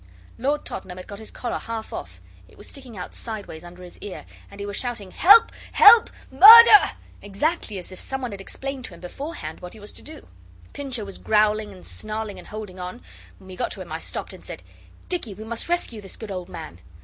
Lord Tottenham had got his collar half off it was sticking out sideways under his ear and he was shouting, 'Help, help, murder!' exactly as if some one had explained to him beforehand what he was to do. Pincher was growling and snarling and holding on. When we got to him I stopped and said 'Dicky, we must rescue this good old man.